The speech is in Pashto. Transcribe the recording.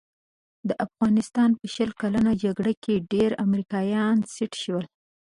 د افغانستان په شل کلنه جګړه کې ډېر امریکایان سټ شول.